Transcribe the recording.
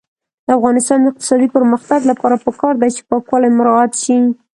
د افغانستان د اقتصادي پرمختګ لپاره پکار ده چې پاکوالی مراعات شي.